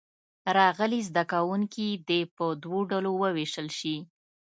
راغلي زده کوونکي دې په دوو ډلو ووېشل شي.